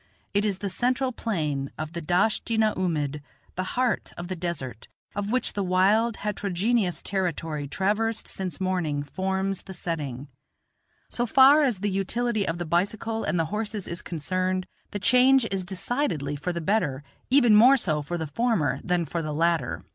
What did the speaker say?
It is the central plain of the Dasht i na oomid, the heart of the desert, of which the wild, heterogeneous territory traversed since morning forms the setting. So far as the utility of the bicycle and the horses is concerned, the change is decidedly for the better, even more so for the former than for the latter.